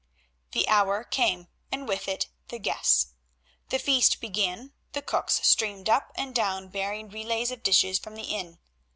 The hour came, and with it the guests. The feast began, the cooks streamed up and down bearing relays of dishes from the inn.